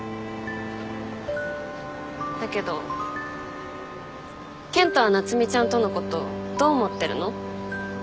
だけど健人は夏海ちゃんとのことどう思ってるの？